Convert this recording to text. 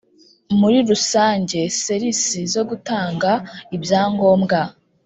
Muri rusange ser isi zo gutanga ibyangombwa